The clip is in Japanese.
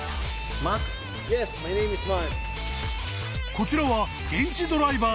［こちらは］